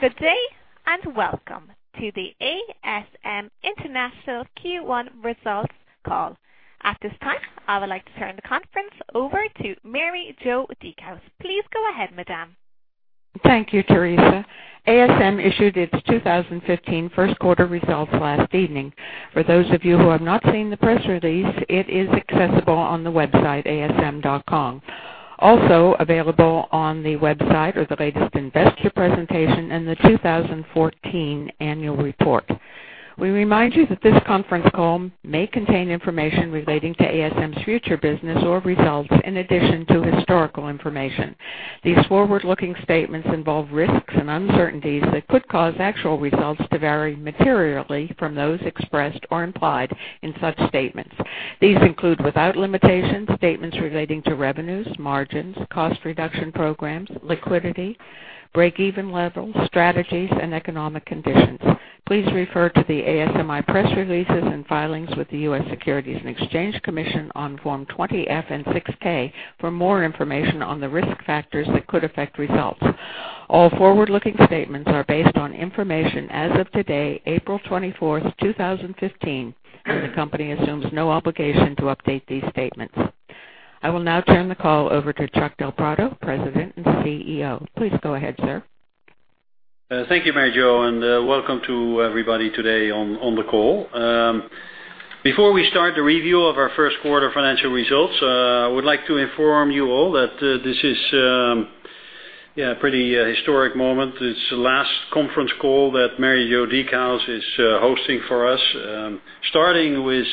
Good day, welcome to the ASM International Q1 Results Call. At this time, I would like to turn the conference over to Mary Jo DeCoursey. Please go ahead, madam. Thank you, Teresa. ASM issued its 2015 first quarter results last evening. For those of you who have not seen the press release, it is accessible on the website, asm.com. Also available on the website are the latest investor presentation and the 2014 annual report. We remind you that this conference call may contain information relating to ASM's future business or results in addition to historical information. These forward-looking statements involve risks and uncertainties that could cause actual results to vary materially from those expressed or implied in such statements. These include, without limitation, statements relating to revenues, margins, cost reduction programs, liquidity, break-even levels, strategies, and economic conditions. Please refer to the ASMI press releases and filings with the U.S. Securities and Exchange Commission on Form 20-F and 6-K for more information on the risk factors that could affect results. All forward-looking statements are based on information as of today, April 24th, 2015. The company assumes no obligation to update these statements. I will now turn the call over to Chuck del Prado, President and CEO. Please go ahead, sir. Thank you, Mary Jo, welcome to everybody today on the call. Before we start the review of our first quarter financial results, I would like to inform you all that this is a pretty historic moment. It's the last conference call that Mary Jo DeCoursey is hosting for us. Starting with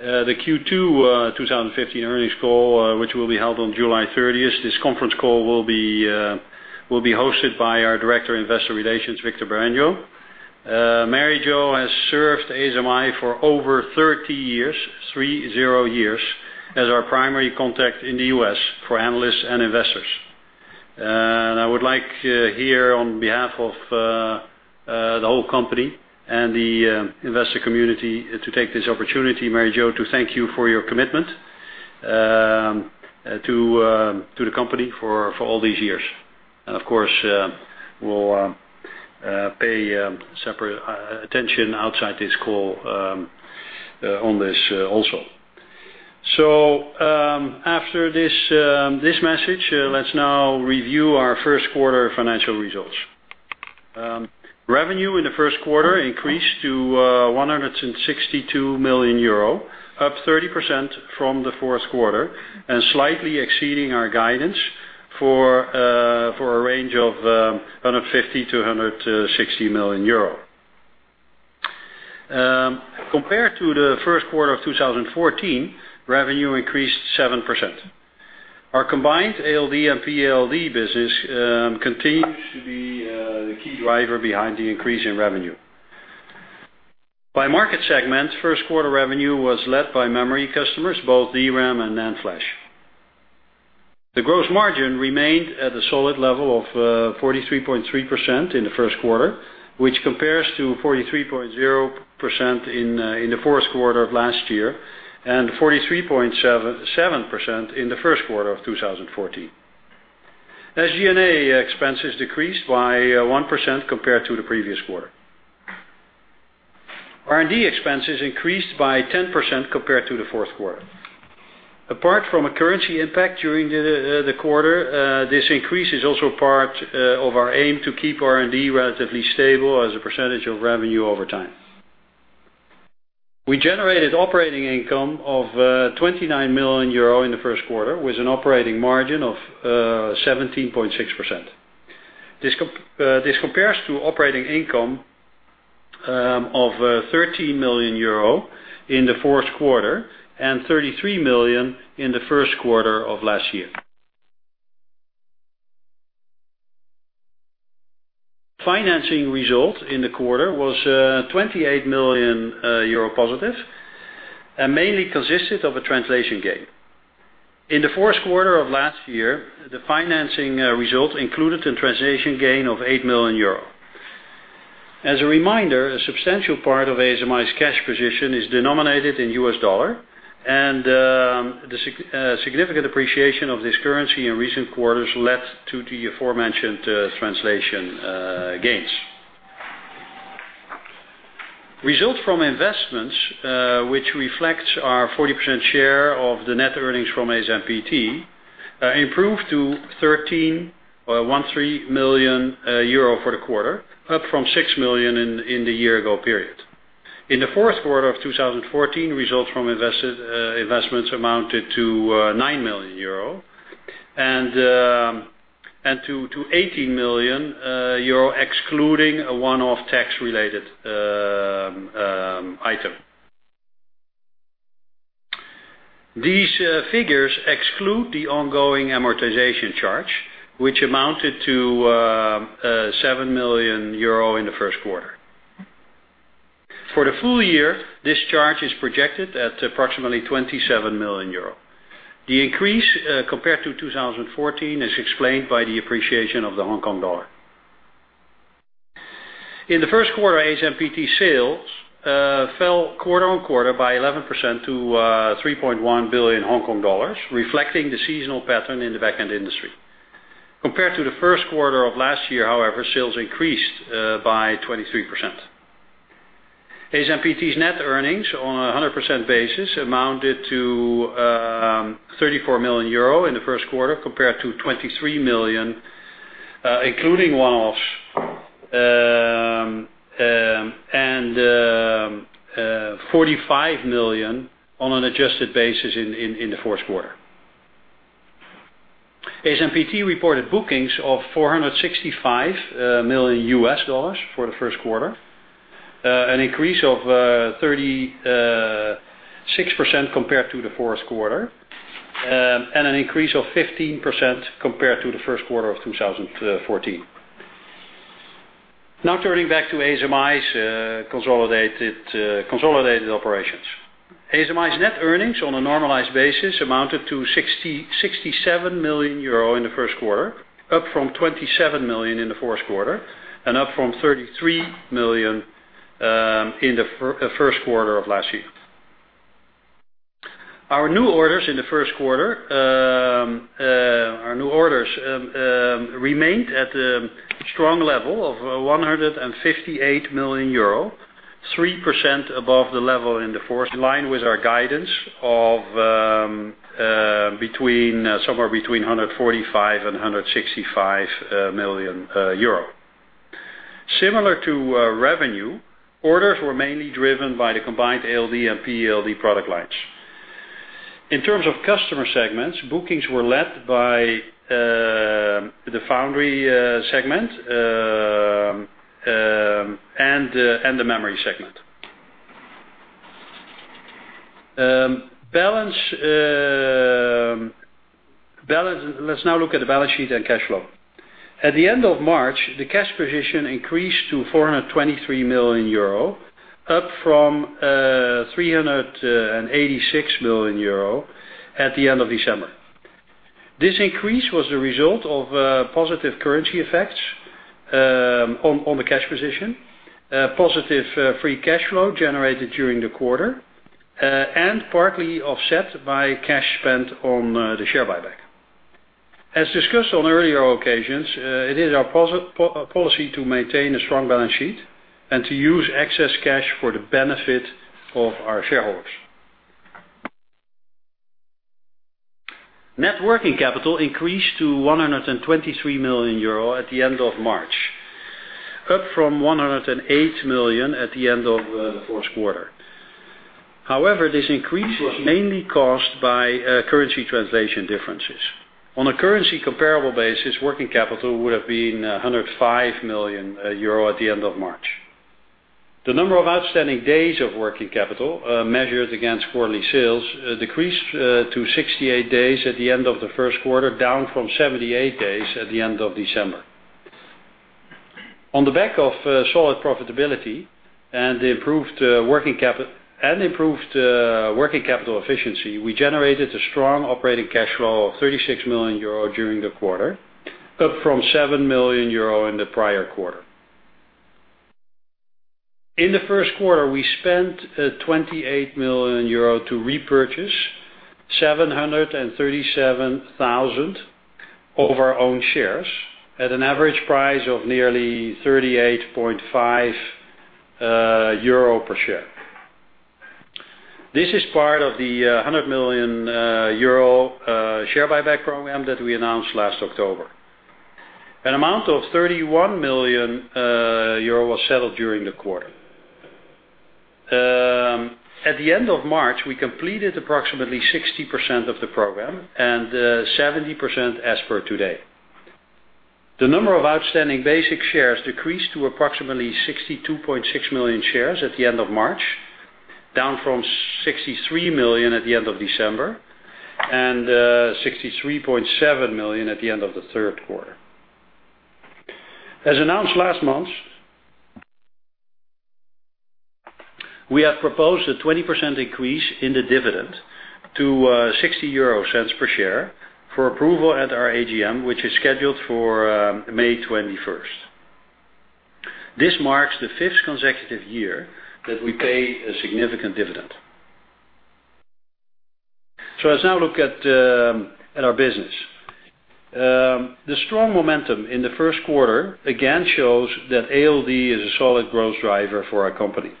the Q2 2015 earnings call, which will be held on July 30th, this conference call will be hosted by our Director of Investor Relations, Victor Bareño. Mary Jo has served ASMI for over 30 years, 30 years, as our primary contact in the U.S. for analysts and investors. I would like here, on behalf of the whole company and the investor community, to take this opportunity, Mary Jo, to thank you for your commitment to the company for all these years. Of course, we'll pay separate attention outside this call on this also. After this message, let's now review our first quarter financial results. Revenue in the first quarter increased to 162 million euro, up 30% from the fourth quarter and slightly exceeding our guidance for a range of 150-160 million euro. Compared to the first quarter of 2014, revenue increased 7%. Our combined ALD and PEALD business continues to be the key driver behind the increase in revenue. By market segment, first quarter revenue was led by memory customers, both DRAM and NAND Flash. The gross margin remained at a solid level of 43.3% in the first quarter, which compares to 43.0% in the fourth quarter of last year and 43.7% in the first quarter of 2014. SG&A expenses decreased by 1% compared to the previous quarter. R&D expenses increased by 10% compared to the fourth quarter. Apart from a currency impact during the quarter, this increase is also part of our aim to keep R&D relatively stable as a percentage of revenue over time. We generated operating income of 29 million euro in the first quarter, with an operating margin of 17.6%. This compares to operating income of 13 million euro in the fourth quarter and 33 million in the first quarter of last year. Financing result in the quarter was 28 million euro positive and mainly consisted of a translation gain. In the fourth quarter of last year, the financing result included a translation gain of 8 million euro. As a reminder, a substantial part of ASMI's cash position is denominated in U.S. dollar, and the significant appreciation of this currency in recent quarters led to the aforementioned translation gains. Results from investments, which reflect our 40% share of the net earnings from ASMPT, improved to 13 million euro for the quarter, up from 6 million in the year ago period. In the fourth quarter of 2014, results from investments amounted to 9 million euro and to 18 million euro excluding a one-off tax related item. These figures exclude the ongoing amortization charge, which amounted to 7 million euro in the first quarter. For the full year, this charge is projected at approximately 27 million euro. The increase compared to 2014 is explained by the appreciation of the Hong Kong dollar. In the first quarter, ASMPT sales fell quarter-on-quarter by 11% to 3.1 billion Hong Kong dollars, reflecting the seasonal pattern in the back-end industry. Compared to the first quarter of last year, however, sales increased by 23%. ASMPT's net earnings on 100% basis amounted to 34 million euro in the first quarter, compared to 23 million including one-offs, and 45 million on an adjusted basis in the fourth quarter. ASMPT reported bookings of 465 million dollars for the first quarter, an increase of 36% compared to the fourth quarter, and an increase of 15% compared to the first quarter of 2014. Turning back to ASMI's consolidated operations. ASMI's net earnings on a normalized basis amounted to 67 million euro in the first quarter, up from 27 million in the fourth quarter, and up from 33 million in the first quarter of last year. Our new orders in the first quarter remained at the strong level of 158 million euro, 3% above the level in the fourth, in line with our guidance of somewhere between 145 million and 165 million euro. Similar to revenue, orders were mainly driven by the combined ALD and PEALD product lines. In terms of customer segments, bookings were led by the foundry segment and the memory segment. Let's now look at the balance sheet and cash flow. At the end of March, the cash position increased to 423 million euro, up from 386 million euro at the end of December. This increase was the result of positive currency effects on the cash position, positive free cash flow generated during the quarter, and partly offset by cash spent on the share buyback. As discussed on earlier occasions, it is our policy to maintain a strong balance sheet and to use excess cash for the benefit of our shareholders. Net working capital increased to 123 million euro at the end of March, up from 108 million at the end of the fourth quarter. This increase was mainly caused by currency translation differences. On a currency comparable basis, working capital would have been 105 million euro at the end of March. The number of outstanding days of working capital measured against quarterly sales decreased to 68 days at the end of the first quarter, down from 78 days at the end of December. On the back of solid profitability and improved working capital efficiency, we generated a strong operating cash flow of 36 million euro during the quarter, up from 7 million euro in the prior quarter. In the first quarter, we spent 28 million euro to repurchase 737,000 of our own shares at an average price of nearly 38.5 euro per share. This is part of the 100 million euro share buyback program that we announced last October. An amount of 31 million euro was settled during the quarter. At the end of March, we completed approximately 60% of the program and 70% as per today. The number of outstanding basic shares decreased to approximately 62.6 million shares at the end of March, down from 63 million at the end of December and 63.7 million at the end of the third quarter. As announced last month, we have proposed a 20% increase in the dividend to 0.60 per share for approval at our AGM, which is scheduled for May 21st. This marks the fifth consecutive year that we pay a significant dividend. Let's now look at our business. The strong momentum in the first quarter again shows that ALD is a solid growth driver for our company.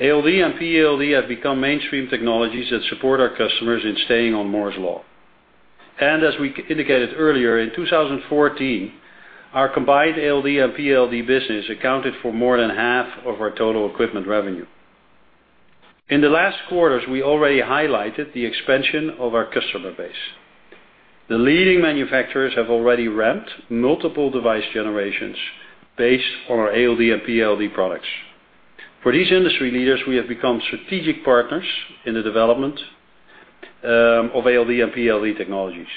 ALD and PEALD have become mainstream technologies that support our customers in staying on Moore's Law. As we indicated earlier, in 2014, our combined ALD and PEALD business accounted for more than half of our total equipment revenue. In the last quarters, we already highlighted the expansion of our customer base. The leading manufacturers have already ramped multiple device generations based on our ALD and PEALD products. For these industry leaders, we have become strategic partners in the development of ALD and PEALD technologies.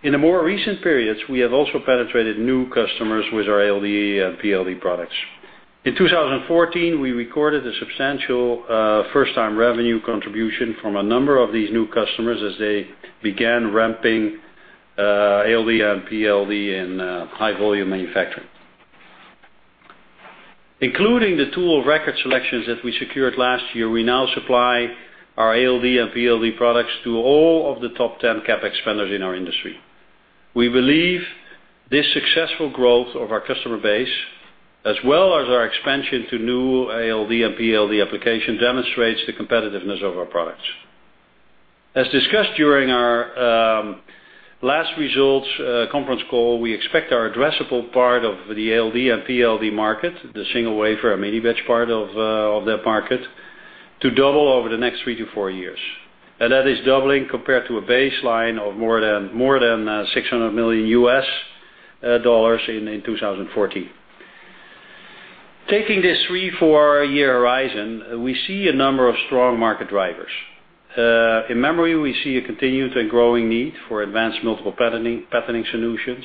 In the more recent periods, we have also penetrated new customers with our ALD and PEALD products. In 2014, we recorded a substantial first-time revenue contribution from a number of these new customers as they began ramping ALD and PEALD in high-volume manufacturing. Including the tool of record selections that we secured last year, we now supply our ALD and PEALD products to all of the top 10 CapEx spenders in our industry. We believe this successful growth of our customer base, as well as our expansion to new ALD and PEALD application, demonstrates the competitiveness of our products. As discussed during our last results conference call, we expect our addressable part of the ALD and PEALD market, the single-wafer mini batch part of that market, to double over the next three to four years. That is doubling compared to a baseline of more than $600 million in 2014. Taking this three, four-year horizon, we see a number of strong market drivers. In memory, we see a continued and growing need for advanced multiple patterning solutions.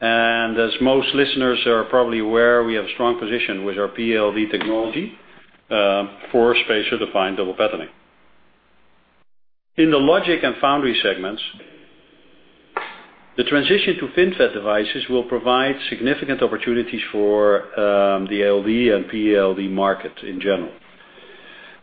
As most listeners are probably aware, we have a strong position with our PEALD technology for spacer-defined double patterning. In the logic and foundry segments, the transition to FinFET devices will provide significant opportunities for the ALD and PEALD market in general.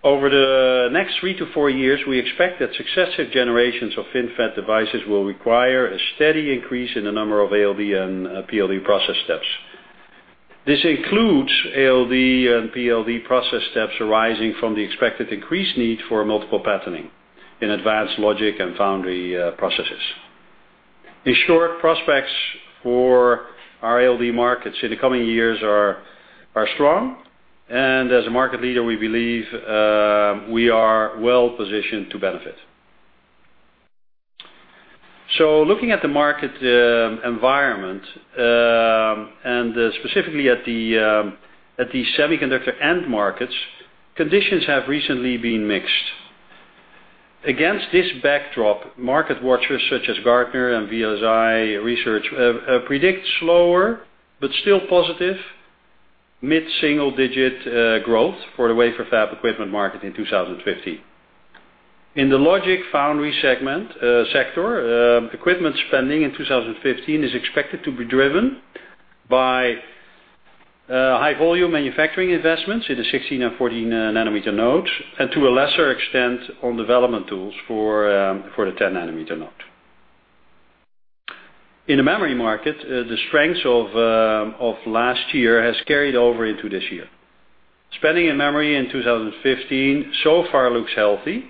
Over the next three to four years, we expect that successive generations of FinFET devices will require a steady increase in the number of ALD and PEALD process steps. This includes ALD and PEALD process steps arising from the expected increased need for multiple patterning in advanced logic and foundry processes. In short, prospects for our ALD markets in the coming years are strong, and as a market leader, we believe we are well-positioned to benefit. Looking at the market environment, and specifically at the semiconductor end markets, conditions have recently been mixed. Against this backdrop, market watchers such as Gartner and VLSI Research predict slower but still positive mid-single-digit growth for the wafer fab equipment market in 2015. In the logic foundry sector, equipment spending in 2015 is expected to be driven by high-volume manufacturing investments in the 16 and 14 nanometer nodes, and to a lesser extent, on development tools for the 10 nanometer node. In the memory market, the strength of last year has carried over into this year. Spending in memory in 2015 so far looks healthy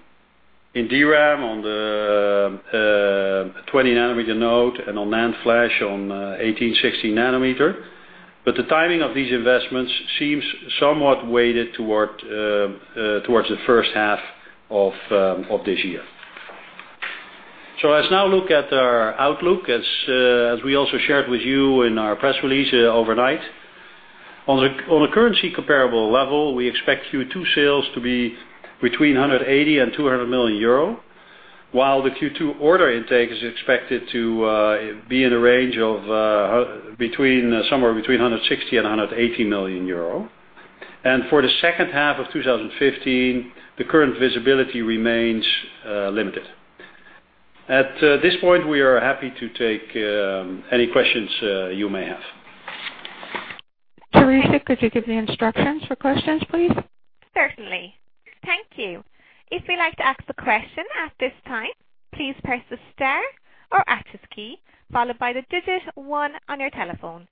in DRAM on the 20 nanometer node and on NAND Flash on 18, 16 nanometer. The timing of these investments seems somewhat weighted towards the first half of this year. Let's now look at our outlook, as we also shared with you in our press release overnight. On a currency comparable level, we expect Q2 sales to be between 180 million and 200 million euro, while the Q2 order intake is expected to be in a range of somewhere between 160 million and 180 million euro. For the second half of 2015, the current visibility remains limited. At this point, we are happy to take any questions you may have. Teresa, could you give the instructions for questions, please? Certainly. Thank you. If you'd like to ask a question at this time, please press the star or asterisk key, followed by the digit 1 on your telephone.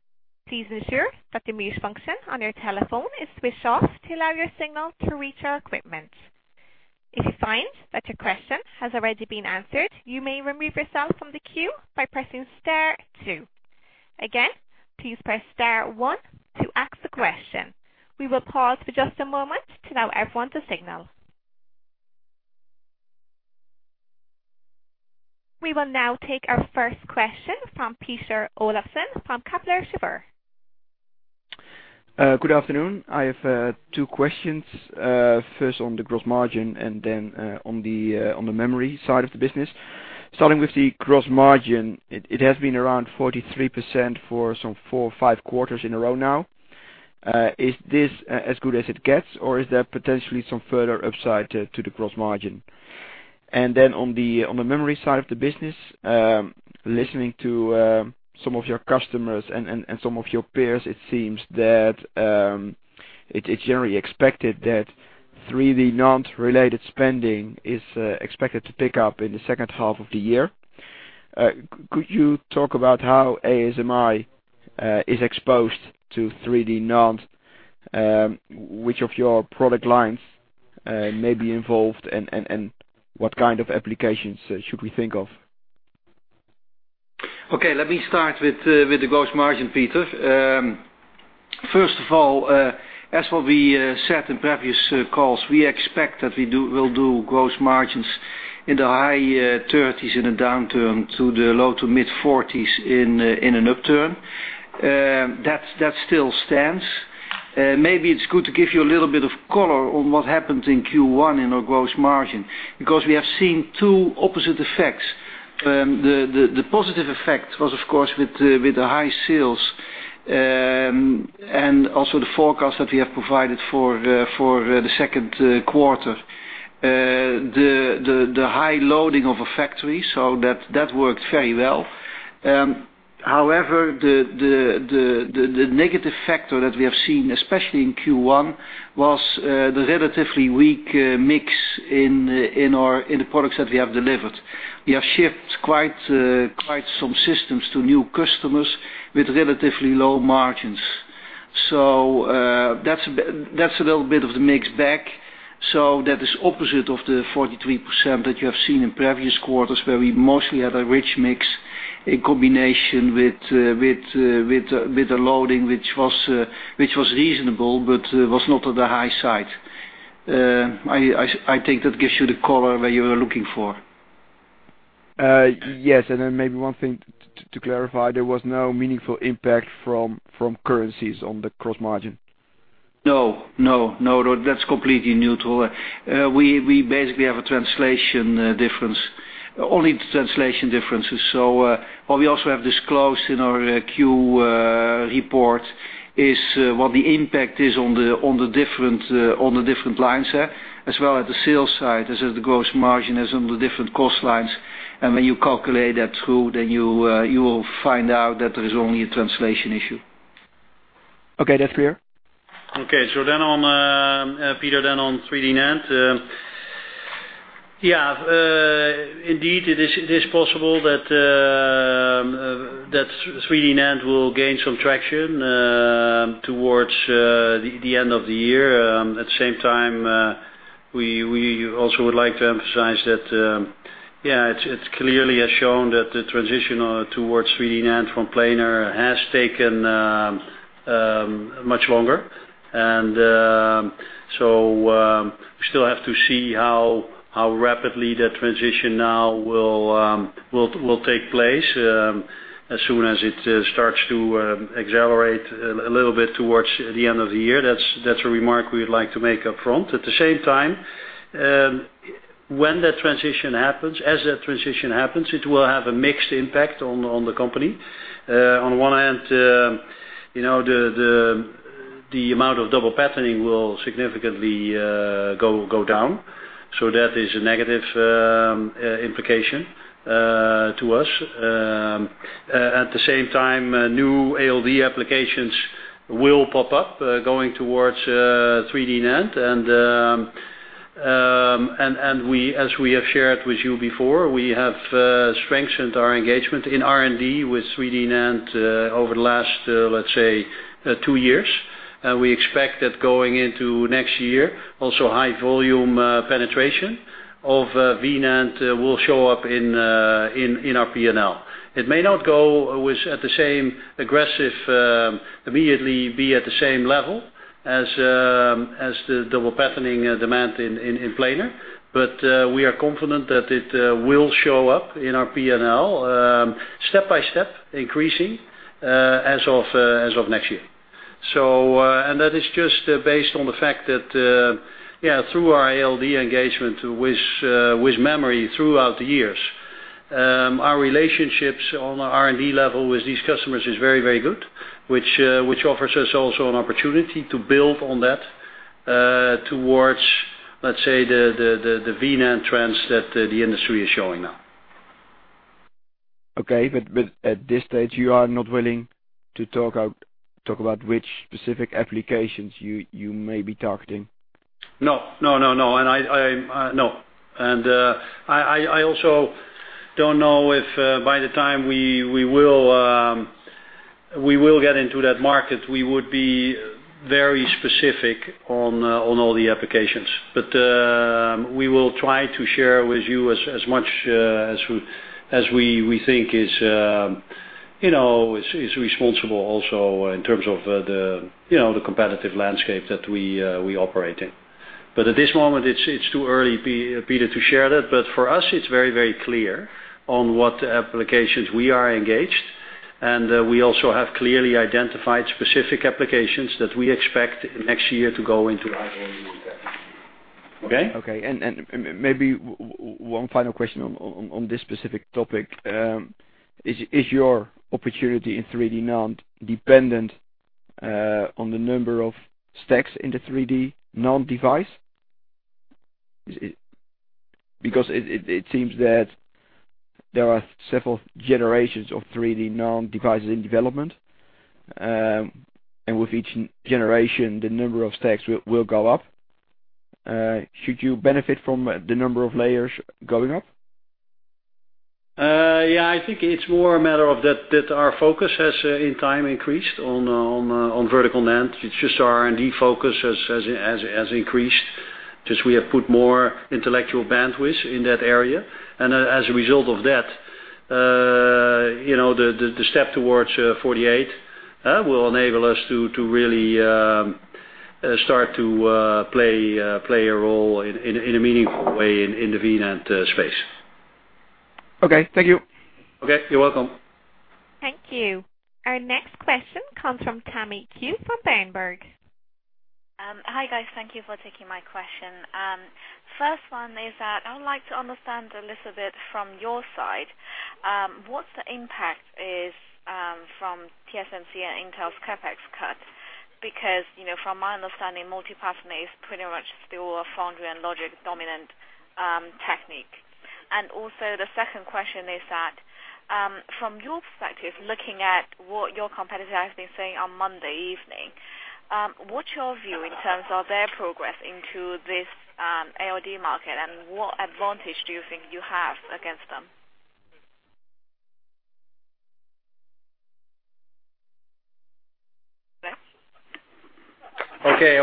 Please ensure that the mute function on your telephone is switched off to allow your signal to reach our equipment. If you find that your question has already been answered, you may remove yourself from the queue by pressing star two. Again, please press star one to ask a question. We will pause for just a moment to allow everyone to signal. We will now take our first question from Pieter Oliphant from Kepler Cheuvreux. Good afternoon. I have two questions. First, on the gross margin, and then on the memory side of the business. Starting with the gross margin, it has been around 43% for some four or five quarters in a row now. Is this as good as it gets, or is there potentially some further upside to the gross margin? On the memory side of the business, listening to some of your customers and some of your peers, it seems that it's generally expected that 3D NAND-related spending is expected to pick up in the second half of the year. Could you talk about how ASMI is exposed to 3D NAND, which of your product lines may be involved, and what kind of applications should we think of? Okay, let me start with the gross margin, Pieter. First of all, as what we said in previous calls, we expect that we'll do gross margins in the high 30s in a downturn to the low to mid 40s in an upturn. That still stands. Maybe it's good to give you a little bit of color on what happened in Q1 in our gross margin, because we have seen two opposite effects. The positive effect was, of course, with the high sales and also the forecast that we have provided for the second quarter. The high loading of a factory, that worked very well. However, the negative factor that we have seen, especially in Q1, was the relatively weak mix in the products that we have delivered. We have shipped quite some systems to new customers with relatively low margins. That's a little bit of the mix back. That is opposite of the 43% that you have seen in previous quarters, where we mostly have a rich mix in combination with the loading, which was reasonable, but was not at the high side. I think that gives you the color that you were looking for. Maybe one thing to clarify, there was no meaningful impact from currencies on the gross margin. No. That's completely neutral. We basically have a translation difference, only translation differences. What we also have disclosed in our Q report is what the impact is on the different lines there, as well as the sales side, as is the gross margin, as on the different cost lines. When you calculate that through, then you will find out that there is only a translation issue. Okay, that's clear. Okay, Pieter, on 3D NAND. Indeed, it is possible that 3D NAND will gain some traction towards the end of the year. At the same time, we also would like to emphasize that it clearly has shown that the transition towards 3D NAND from planar has taken much longer. We still have to see how rapidly that transition now will take place. As soon as it starts to accelerate a little bit towards the end of the year, that's a remark we would like to make up front. At the same time, when that transition happens, as that transition happens, it will have a mixed impact on the company. On one hand, the amount of double patterning will significantly go down. That is a negative implication to us. At the same time, new ALD applications will pop up, going towards 3D NAND. As we have shared with you before, we have strengthened our engagement in R&D with 3D NAND over the last, let's say, two years. We expect that going into next year, also high volume penetration of VNAND will show up in our P&L. It may not immediately be at the same level as the double patterning demand in planar, but we are confident that it will show up in our P&L, step-by-step increasing as of next year. That is just based on the fact that through our ALD engagement with memory throughout the years, our relationships on the R&D level with these customers is very good, which offers us also an opportunity to build on that towards, let's say, the VNAND trends that the industry is showing now. Okay. At this stage, you are not willing to talk about which specific applications you may be targeting? No. I also don't know if by the time we will get into that market, we would be very specific on all the applications. We will try to share with you as much as we think is responsible also in terms of the competitive landscape that we operate in. At this moment, it's too early, Pieter, to share that. For us, it's very clear on what applications we are engaged, and we also have clearly identified specific applications that we expect next year to go into high-volume impact. Okay? Okay. Maybe one final question on this specific topic. Is your opportunity in 3D NAND dependent on the number of stacks in the 3D NAND device? Because it seems that there are several generations of 3D NAND devices in development, and with each generation, the number of stacks will go up. Should you benefit from the number of layers going up? Yeah, I think it's more a matter of that our focus has in time increased on vertical NAND. It's just our R&D focus has increased. Just we have put more intellectual bandwidth in that area. As a result of that, the step towards 48 will enable us to really start to play a role in a meaningful way in the VNAND space. Okay. Thank you. Okay. You're welcome. Thank you. Our next question comes from Tammy Qiu from Berenberg. Hi, guys. Thank you for taking my question. First one is that I would like to understand a little bit from your side, what's the impact is from TSMC and Intel's CapEx cuts? Because, from my understanding, multi-pattern is pretty much still a foundry and logic dominant technique. Also, the second question is that, from your perspective, looking at what your competitor has been saying on Monday evening, what's your view in terms of their progress into this ALD market, and what advantage do you think you have against them? Okay.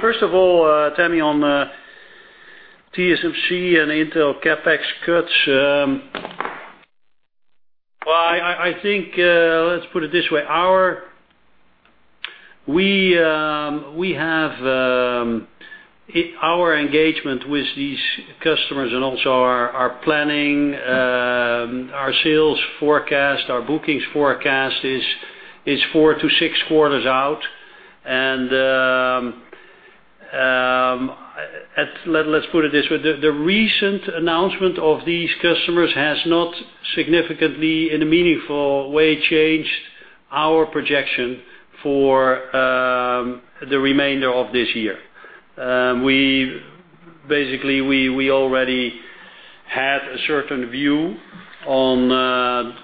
First of all, Tammy, on TSMC and Intel CapEx cuts. I think let's put it this way, our engagement with these customers and also our planning, our sales forecast, our bookings forecast is four to six quarters out. Let's put it this way, the recent announcement of these customers has not significantly, in a meaningful way, changed our projection for the remainder of this year. Basically, we already had a certain view on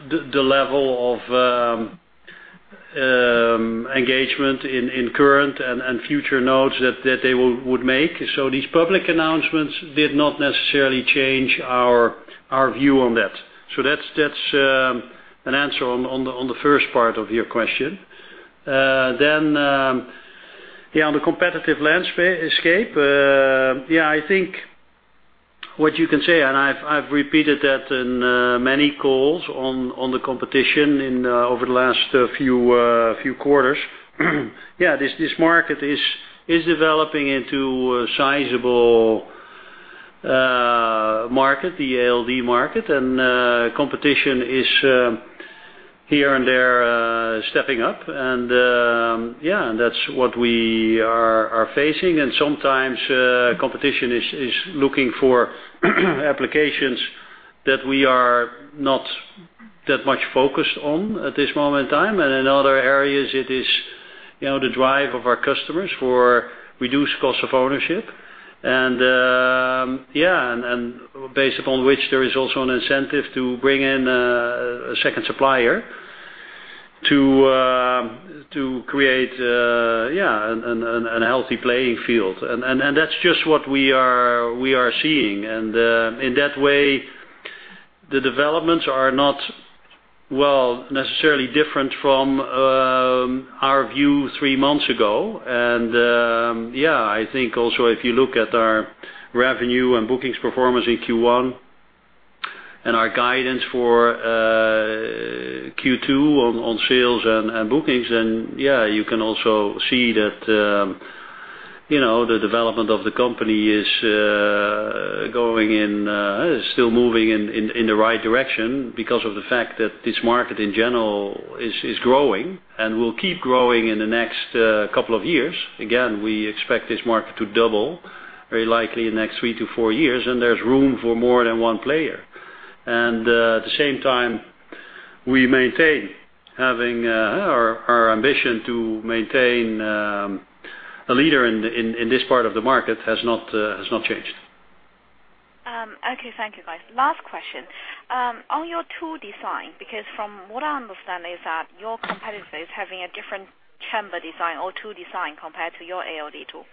the level of engagement in current and future nodes that they would make. These public announcements did not necessarily change our view on that. That's an answer on the first part of your question. On the competitive landscape, I think what you can say, and I've repeated that in many calls on the competition over the last few quarters. This market is developing into a sizable market, the ALD market. Competition is, here and there, stepping up. Yeah, that's what we are facing. Sometimes, competition is looking for applications that we are not that much focused on at this moment in time. In other areas, it is the drive of our customers for reduced cost of ownership. Based upon which, there is also an incentive to bring in a second supplier to create a healthy playing field. That's just what we are seeing. In that way, the developments are not necessarily different from our view three months ago. Yeah, I think also if you look at our revenue and bookings performance in Q1 and our guidance for Q2 on sales and bookings, you can also see that the development of the company is still moving in the right direction because of the fact that this market in general is growing and will keep growing in the next couple of years. Again, we expect this market to double, very likely in the next three to four years, and there's room for more than one player. At the same time, we maintain having our ambition to maintain a leader in this part of the market has not changed. Okay. Thank you, guys. Last question. On your tool design, because from what I understand is that your competitor is having a different chamber design or tool design compared to your ALD tool.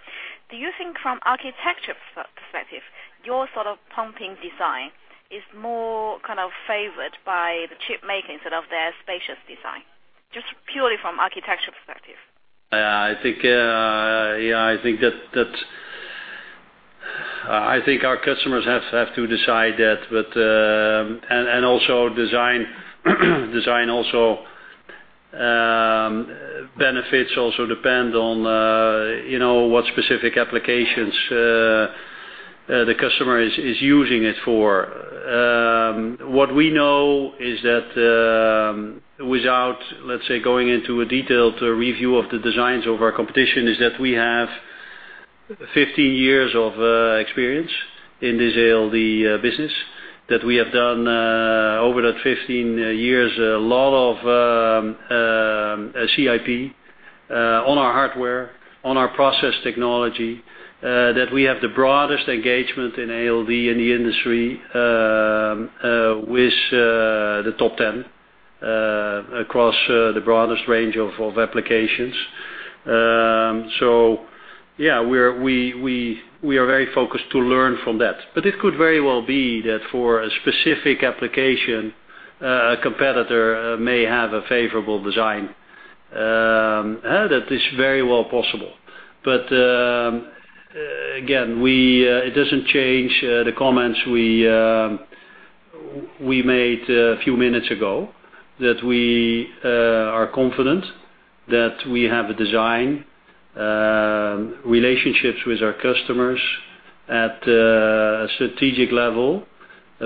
Do you think from architecture perspective, your sort of pumping design is more kind of favored by the chip making sort of their spacious design? Just purely from architecture perspective. I think our customers have to decide that, design also benefits also depend on what specific applications the customer is using it for. What we know is that, without, let's say, going into a detailed review of the designs of our competition, is that we have 15 years of experience in this ALD business, that we have done over that 15 years, a lot of CIP on our hardware, on our process technology. That we have the broadest engagement in ALD in the industry with the top 10 across the broadest range of applications. Yeah, we are very focused to learn from that. It could very well be that for a specific application, a competitor may have a favorable design. That is very well possible. Again, it doesn't change the comments we made a few minutes ago, that we are confident that we have a design, relationships with our customers at a strategic level,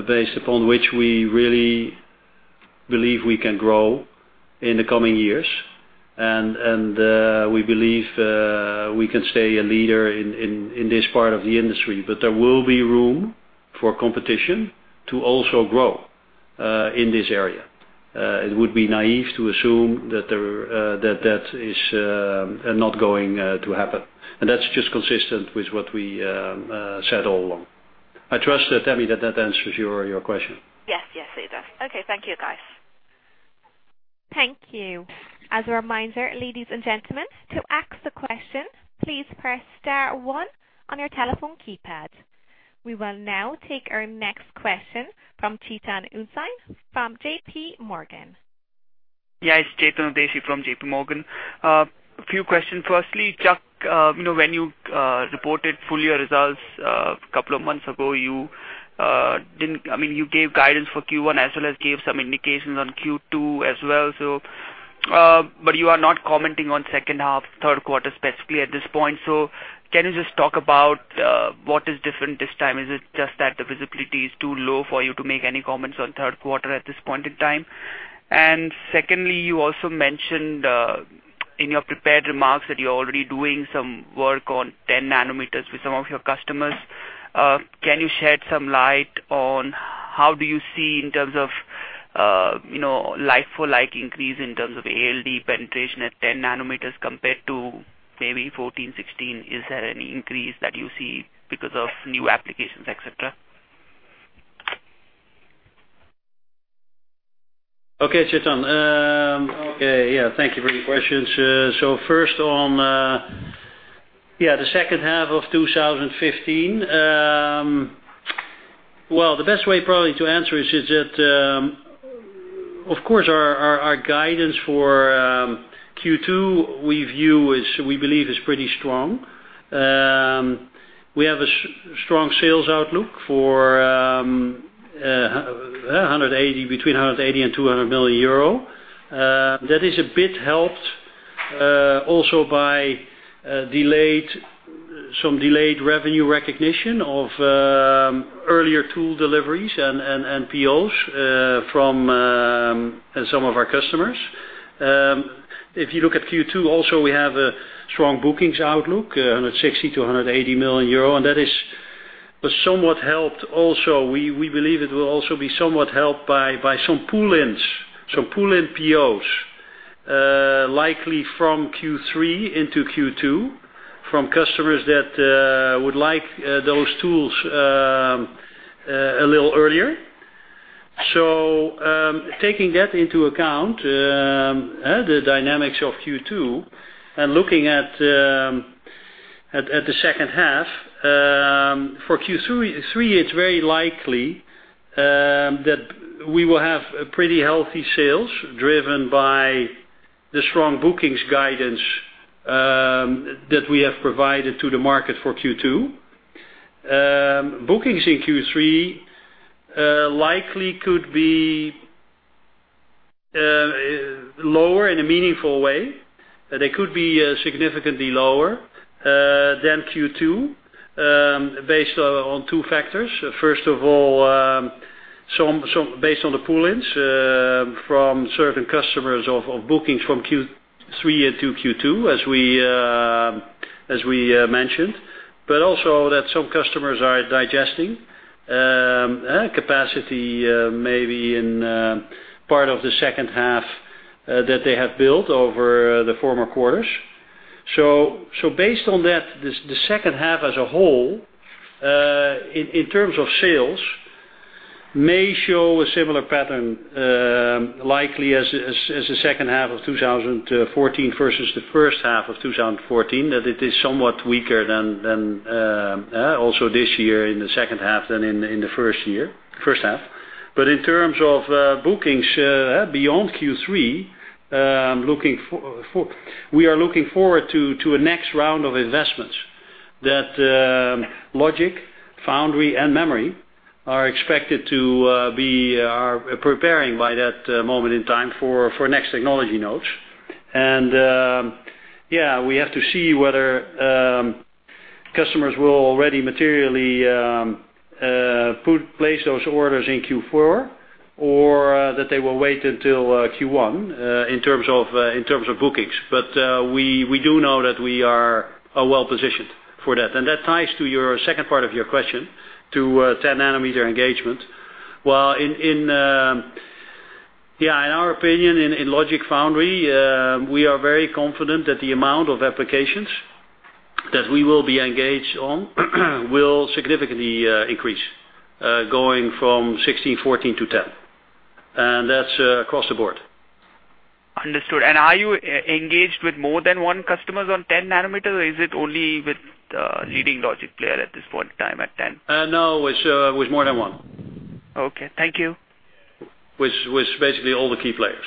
based upon which we really believe we can grow in the coming years, and we believe we can stay a leader in this part of the industry. There will be room for competition to also grow in this area. It would be naive to assume that that is not going to happen. That's just consistent with what we said all along. I trust, Tammy, that that answers your question. Yes, it does. Okay. Thank you, guys. Thank you. As a reminder, ladies and gentlemen, to ask the question, please press star one on your telephone keypad. We will now take our next question from Sandeep Deshpande from JP Morgan. Yeah, it's Sandeep Deshpande from JP Morgan. A few questions. Firstly, Chuck, when you reported full year results a couple of months ago, you gave guidance for Q1 as well as gave some indications on Q2 as well, but you are not commenting on second half, third quarter specifically at this point. Can you just talk about what is different this time? Is it just that the visibility is too low for you to make any comments on third quarter at this point in time? Secondly, you also mentioned in your prepared remarks that you're already doing some work on 10 nanometers with some of your customers. Can you shed some light on how do you see in terms of like-for-like increase in terms of ALD penetration at 10 nanometers compared to maybe 14, 16? Is there any increase that you see because of new applications, et cetera? Okay, Sandeep. Thank you for your questions. First, on the second half of 2015. Well, the best way probably to answer is that, of course, our guidance for Q2, we believe is pretty strong. We have a strong sales outlook for between 180 million and 200 million euro. That is a bit helped also by some delayed revenue recognition of earlier tool deliveries and POs from some of our customers. If you look at Q2 also, we have a strong bookings outlook, 160 million-180 million euro, and that is somewhat helped also. We believe it will also be somewhat helped by some pull-ins, some pull-in POs, likely from Q3 into Q2 from customers that would like those tools a little earlier. Taking that into account, the dynamics of Q2 and looking at the second half. For Q3, it's very likely that we will have pretty healthy sales driven by the strong bookings guidance that we have provided to the market for Q2. Bookings in Q3 likely could be lower in a meaningful way. They could be significantly lower than Q2, based on two factors. First of all, based on the pull-ins from certain customers of bookings from Q3 into Q2, as we mentioned, but also that some customers are digesting capacity, maybe in part of the second half that they have built over the former quarters. Based on that, the second half as a whole, in terms of sales, may show a similar pattern, likely as the second half of 2014 versus the first half of 2014, that it is somewhat weaker than also this year in the second half than in the first half. In terms of bookings beyond Q3, we are looking forward to a next round of investments that logic, foundry, and memory are preparing by that moment in time for next technology nodes. We have to see whether customers will already materially place those orders in Q4 or that they will wait until Q1, in terms of bookings. We do know that we are well-positioned for that. That ties to your second part of your question to 10 nanometer engagement. In our opinion, in logic foundry, we are very confident that the amount of applications that we will be engaged on will significantly increase, going from 16, 14 to 10. That's across the board. Understood. Are you engaged with more than one customers on 10 nanometer, or is it only with leading logic player at this point in time at 10? No, with more than one. Okay. Thank you. With basically all the key players.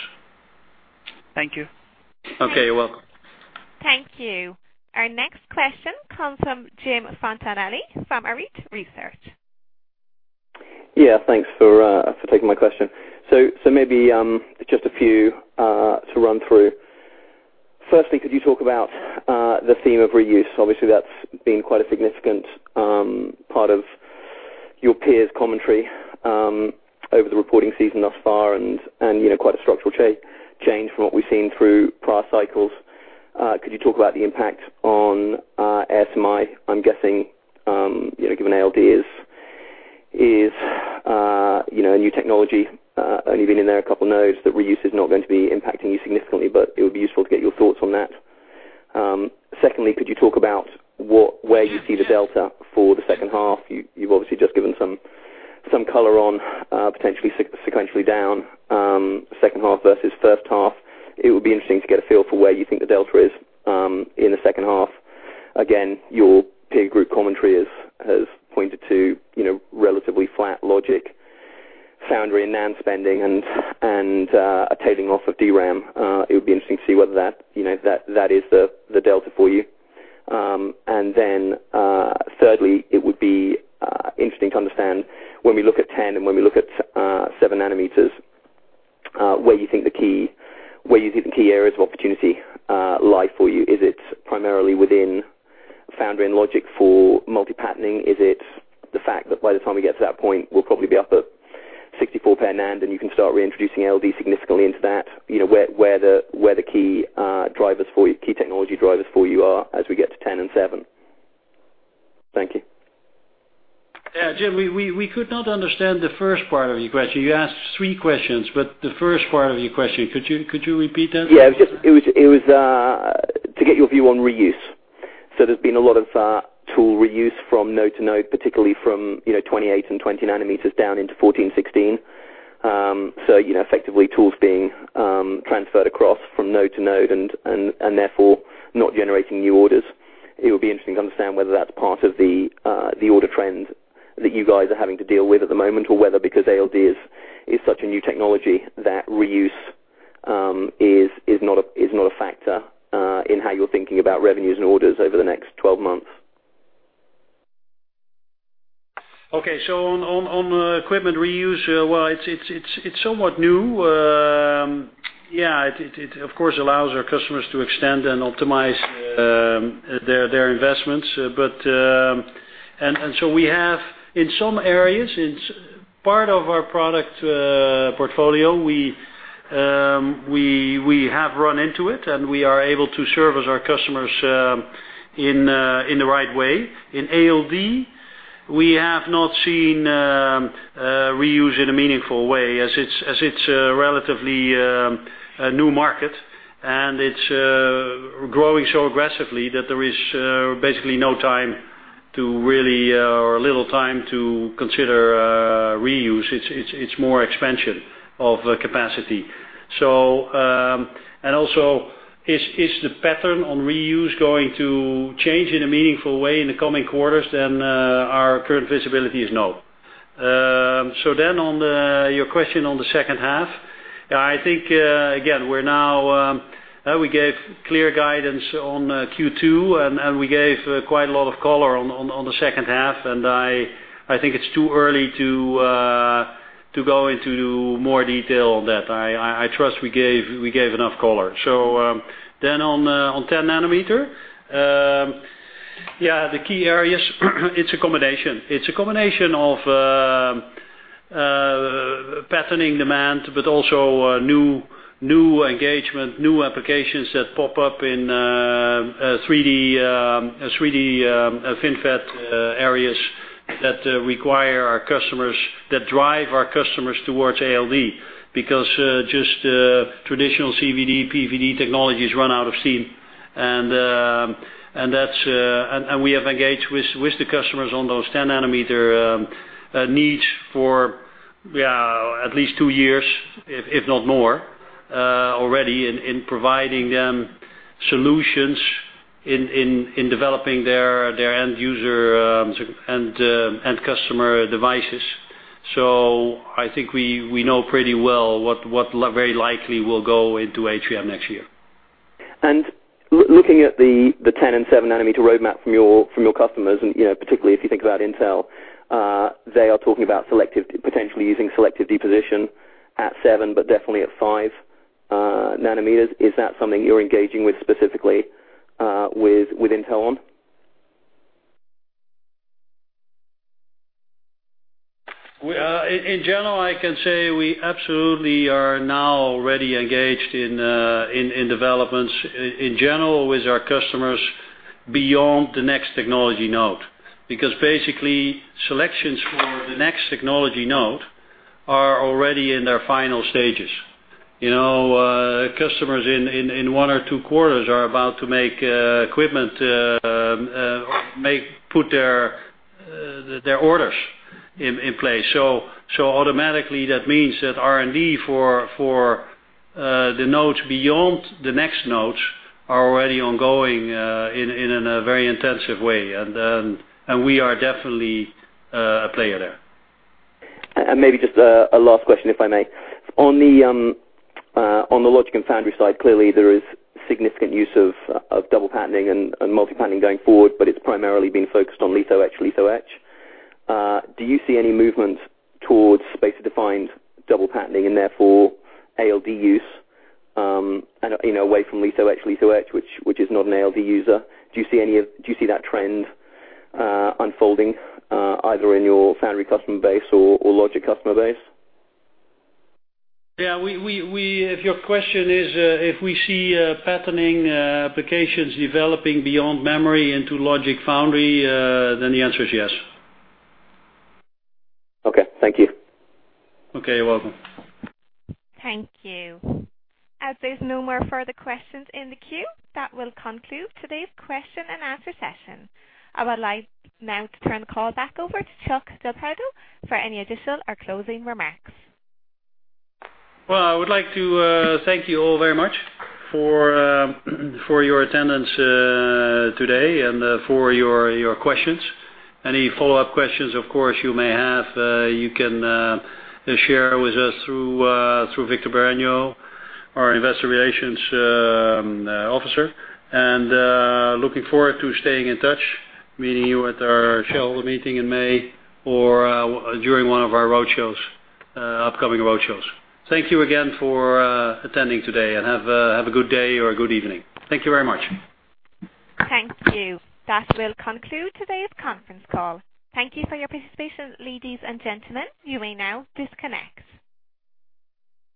Thank you. Okay, you're welcome. Thank you. Our next question comes from Jim Fontanelli from Arete Research. Yeah, thanks for taking my question. Maybe just a few to run through. Firstly, could you talk about the theme of reuse? Obviously, that's been quite a significant part of your peers' commentary over the reporting season thus far and quite a structural change from what we've seen through prior cycles. Could you talk about the impact on ASMI? I'm guessing, given ALD is a new technology, only been in there a couple nodes, that reuse is not going to be impacting you significantly. It would be useful to get your thoughts on that. Secondly, could you talk about where you see the delta for the second half? You've obviously just given some color on potentially sequentially down second half versus first half. It would be interesting to get a feel for where you think the delta is in the second half. Again, your peer group commentary has pointed to relatively flat logic foundry NAND spending and a tailing off of DRAM. It would be interesting to see whether that is the delta for you. Thirdly, it would be interesting to understand when we look at 10 and when we look at seven nanometers, where you think the key areas of opportunity lie for you. Is it primarily within foundry and logic for multi-patterning? Is it the fact that by the time we get to that point, we'll probably be up at 64 NAND and you can start reintroducing ALD significantly into that? Where the key technology drivers for you are as we get to 10 and seven. Thank you. Yeah. Jim, we could not understand the first part of your question. You asked three questions, the first part of your question, could you repeat that? Yeah. It was to get your view on reuse. There's been a lot of tool reuse from node to node, particularly from 28 and 20 nanometers down into 14, 16. Effectively tools being transferred across from node to node and therefore not generating new orders. It would be interesting to understand whether that's part of the order trend that you guys are having to deal with at the moment, or whether because ALD is such a new technology that reuse is not a factor in how you're thinking about revenues and orders over the next 12 months. Okay. On equipment reuse, well, it's somewhat new. Yeah, it of course allows our customers to extend and optimize their investments. We have, in some areas, in part of our product portfolio, we have run into it, and we are able to service our customers in the right way. In ALD, we have not seen reuse in a meaningful way as it's a relatively new market, and it's growing so aggressively that there is basically no time or little time to consider reuse. It's more expansion of capacity. Is the pattern on reuse going to change in a meaningful way in the coming quarters? Our current visibility is no. On your question on the second half, I think, again, we gave clear guidance on Q2, and we gave quite a lot of color on the second half, and I think it's too early to go into more detail on that. I trust we gave enough color. On 10 nanometer, yeah, the key areas, it's a combination. It's a combination of patterning demand, but also new engagement, new applications that pop up in 3D FinFET areas that drive our customers towards ALD because just traditional CVD, PVD technologies run out of steam. We have engaged with the customers on those 10-nanometer needs for at least two years, if not more, already in providing them solutions in developing their end customer devices. I think we know pretty well what very likely will go into HVM next year. Looking at the 10 and seven-nanometer roadmap from your customers, and particularly if you think about Intel, they are talking about potentially using selective deposition at seven, but definitely at five nanometers. Is that something you're engaging with specifically with Intel on? In general, I can say we absolutely are now already engaged in developments in general with our customers beyond the next technology node. Basically, selections for the next technology node are already in their final stages. Customers in one or two quarters are about to make equipment, put their orders in place. Automatically, that means that R&D for the nodes beyond the next nodes are already ongoing in a very intensive way, and we are definitely a player there. Maybe just a last question, if I may. On the logic and foundry side, clearly there is significant use of double patterning and multi-patterning going forward, but it's primarily being focused on litho, etch, litho, etch. Do you see any movement towards space-defined double patterning and therefore ALD use away from litho, etch, litho, etch, which is not an ALD user? Do you see that trend unfolding either in your foundry customer base or logic customer base? Yeah. If your question is if we see patterning applications developing beyond memory into logic foundry, the answer is yes. Okay. Thank you. Okay. You're welcome. Thank you. As there's no more further questions in the queue, that will conclude today's question and answer session. I would like now to turn the call back over to Chuck del Prado for any additional or closing remarks. Well, I would like to thank you all very much for your attendance today and for your questions. Any follow-up questions, of course, you may have, you can share with us through Victor Bareño, our investor relations officer. Looking forward to staying in touch, meeting you at our shareholder meeting in May or during one of our road shows, upcoming road shows. Thank you again for attending today, and have a good day or a good evening. Thank you very much. Thank you. That will conclude today's conference call. Thank you for your participation, ladies and gentlemen. You may now disconnect.